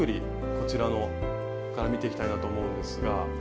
こちらから見ていきたいなと思うんですが。